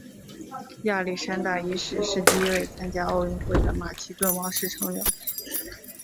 亚历山大一世是第一位参加奥运会的马其顿王室成员。